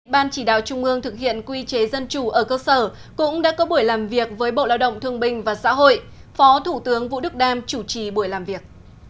ban chỉ đạo trung ương thực hiện quy chế dân chủ ở cơ sở cũng đã có buổi làm việc với bộ lao động thương bình và xã hội phó thủ tướng vũ đức đam chủ trì buổi làm việc